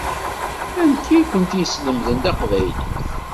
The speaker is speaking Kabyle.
Anti i kent-yeslemden taqbaylit?